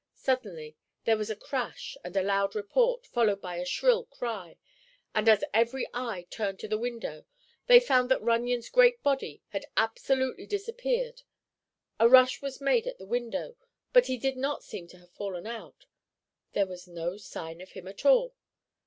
Suddenly there was a crash and a loud report—followed by a shrill cry—and as every eye turned to the window they found that Runyon's great body had absolutely disappeared. A rush was made to the window, but he did not seem to have fallen out. There was no sign of him at all.